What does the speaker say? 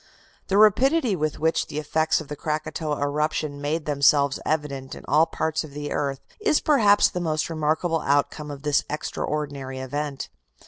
The rapidity with which the effects of the Krakatoa eruption made themselves evident in all parts of the earth is perhaps the most remarkable outcome of this extraordinary event.